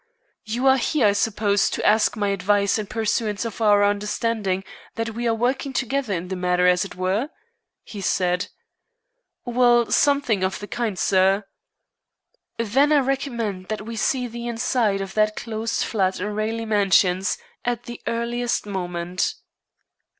"You are here, I suppose, to ask my advice in pursuance of our understanding that we are working together in the matter, as it were?" he said. "Well, something of the kind, sir." "Then I recommend that we see the inside of that closed flat in Raleigh Mansions at the earliest moment."